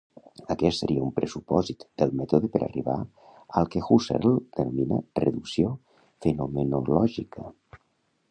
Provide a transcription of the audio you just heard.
Aquest seria un pressupòsit del mètode per arribar al que Husserl denomina reducció fenomenològica.